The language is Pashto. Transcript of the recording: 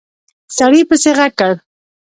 سړي پسې غږ کړ!